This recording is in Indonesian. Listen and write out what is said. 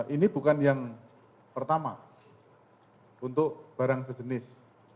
ini bukan yang pertama untuk barang sejenis